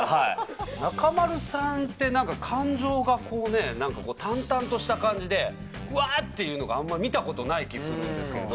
中丸さんって、なんか感情がこうね、なんかこう、淡々とした感じで、うわーっていうのが、あんま、見たことない気するんですけれども。